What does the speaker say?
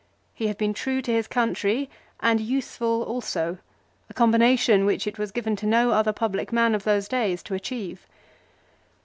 He had been true to his country, and useful also, a combination which it was given to no other public man of those days to achieve.